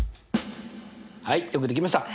はいよくできました。